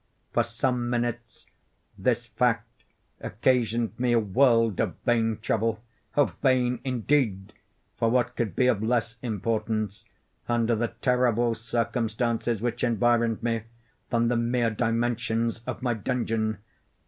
For some minutes this fact occasioned me a world of vain trouble; vain indeed! for what could be of less importance, under the terrible circumstances which environed me, then the mere dimensions of my dungeon?